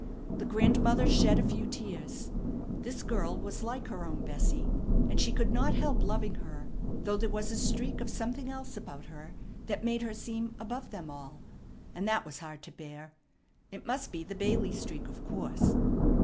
The grandmother shed a few tears. This girl was like her own Bessie, and she could not help loving her, though there was a streak of something else about her that made her seem above them all; and that was hard to bear. It must be the Bailey streak, of course.